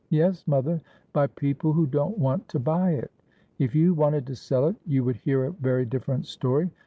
' Yes, mother, by people who don't want to buy it. If you wanted to sell it, you would hear a very different story.